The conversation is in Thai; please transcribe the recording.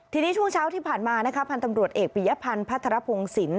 ทีนี้ช่วงเช้าที่ผ่านมานะคะพันธ์ตำรวจเอกปียพันธ์พัทรพงศิลป